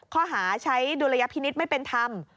ข้อหาใช้ดุลยพินิษฐ์ไม่เป็นธรรม